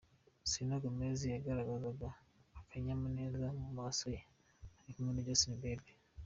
Selena Gomez yagaragazaga akanyamuneza mu maso ye ari kumwe na Justin Bieber.